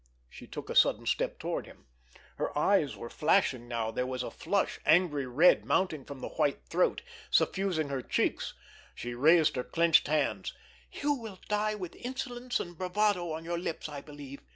She took a sudden step toward him. Her eyes were flashing now; there was a flush, angry red, mounting from the white throat, suffusing her cheeks. She raised her clenched hands. "You will die with insolence and bravado on your lips, I believe!"